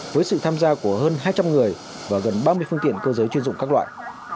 với sự tham gia của hơn hai trăm linh người và gần ba mươi phương tiện cơ giới chuyên dụng các loại